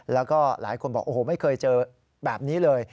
แล้วก็หลายคนบอกโอ้โหไม่เคยเจอแบบนี้เลย